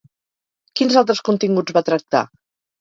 Quins altres continguts va tractar?